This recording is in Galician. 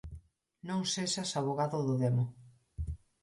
Non sexas avogado do demo!